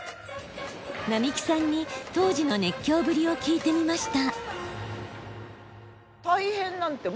並木さんに当時の熱狂ぶりを聞いてみました。